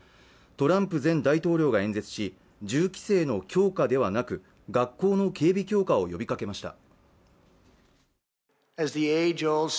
トランプ前大統領が演説し銃規制の強化ではなく学校の警備強化を呼びかけました